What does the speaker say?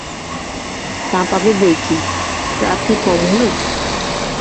তা পাবে বৈকি, রাত কি কম হল!